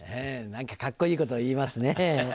何かカッコいいこと言いますね。